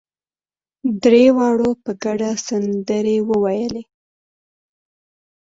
درېواړو په ګډه سندرې وويلې.